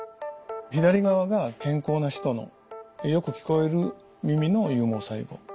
左側が健康な人のよく聞こえる耳の有毛細胞。